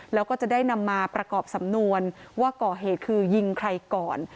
แล้วก็จะได้นำมาประกอบสำนวนว่าก่อเหตุคือยิงใครก่อน